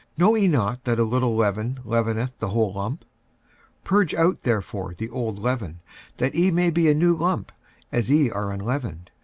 Know ye not that a little leaven leaveneth the whole lump? 46:005:007 Purge out therefore the old leaven, that ye may be a new lump, as ye are unleavened.